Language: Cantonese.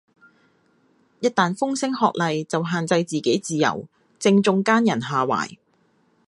一但風聲鶴唳就限制自己自由，正中奸人下懷